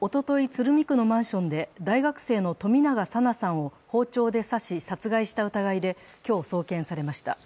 鶴見区のマンションで大学生の冨永紗菜さんを包丁で刺し、殺害した疑いで今日送検されました。